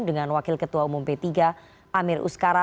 dengan wakil ketua umum p tiga amir uskara